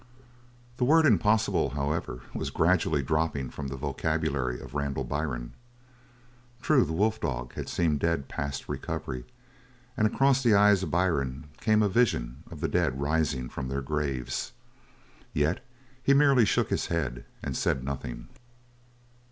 The word "impossible," however, was gradually dropping from the vocabulary of Randall Byrne. True, the wolf dog had seemed dead past recovery and across the eyes of Byrne came a vision of the dead rising from their graves. Yet he merely shook his head and said nothing.